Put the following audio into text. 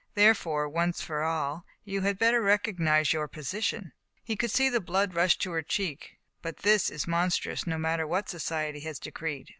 There fore, once for all, you had better recognize your position.*' He could see the hot blood rush to her cheek. " But this is monstrous, no matter what Society has decreed.